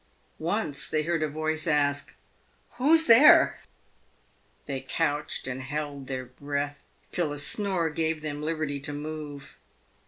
Once they heard a voice ask " who's there ?" They couched and held their breath till a snore gave them liberty to move.